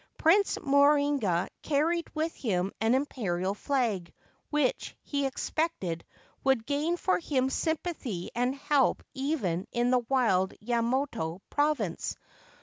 Prince Morinaga carried with him an Imperial flag, which, he expected, would gain for him sympathy and help even in the wild Yamato Province.